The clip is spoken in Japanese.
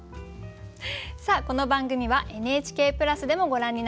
さあこの番組はＮＨＫプラスでもご覧になれます。